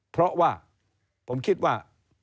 เพราะว่าผมคิดว่า